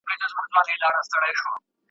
رود یوازي هغه وخت په دې پوهیږي `